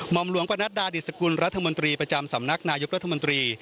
อมหลวงปนัดดาดิสกุลรัฐมนตรีประจำสำนักนายกรัฐมนตรี